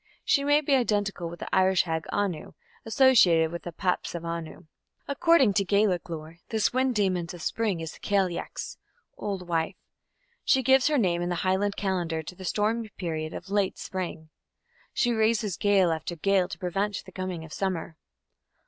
She may be identical with the Irish hag Anu, associated with the "Paps of Anu". According to Gaelic lore, this wind demon of spring is the "Cailleach" (old wife). She gives her name in the Highland calendar to the stormy period of late spring; she raises gale after gale to prevent the coming of summer.